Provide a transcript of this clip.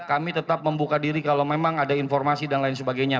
kami tetap membuka diri kalau memang ada informasi dan lain sebagainya